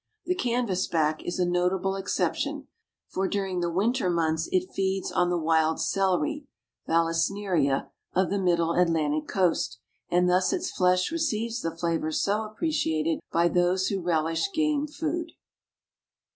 The canvas back is a notable exception, for during the winter months it feeds on the wild celery (Vallisneria) of the Middle Atlantic coast, and thus its flesh receives the flavor so appreciated by those who relish game food.